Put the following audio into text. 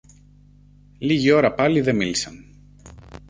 Λίγη ώρα πάλι δε μίλησαν.